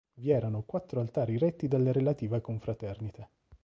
Vi erano quattro altari retti dalle relative confraternite.